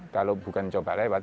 kalau bukan coba lewat